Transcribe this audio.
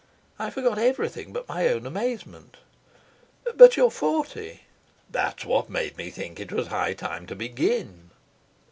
I forgot everything but my own amazement. "But you're forty." "That's what made me think it was high time to begin."